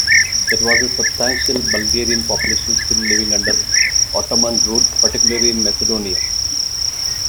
There was a substantial Bulgarian population still living under Ottoman rule, particularly in Macedonia.